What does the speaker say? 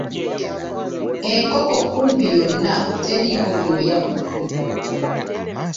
Enkoko kumpi yonna teriiko byoya ku kubuto!